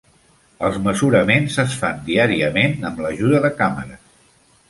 Els mesuraments es fan diàriament amb l'ajuda de càmeres.